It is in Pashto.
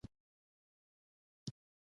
د پټ خزانه ښخېدو ځای معلوم نه و.